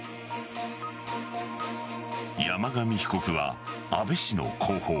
山上被告は安倍氏の後方